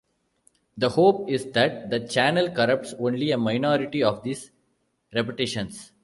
The hope is that the channel corrupts only a minority of these repetitions.